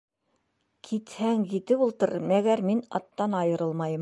Китһәң, китеп ултыр, мәгәр мин аттан айырылмайым!